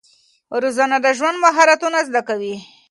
روزنه د ژوند مهارتونه زده کوي.